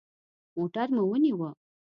موټر مو ونیوه.